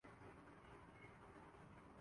ایک امریکی خاتون کو پاکستان کیسا لگا